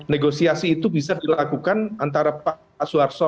negosiasi itu bisa dilakukan antara pak suarso